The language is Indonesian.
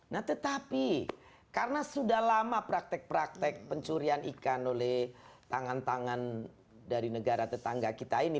nah tetapi karena sudah lama praktek praktek pencurian ikan oleh tangan tangan dari negara tetangga kita ini